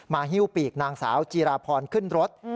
หิ้วปีกนางสาวจีราพรขึ้นรถ